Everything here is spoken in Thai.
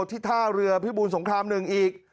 ท่าเรือพิบูรสงคราม๑อีก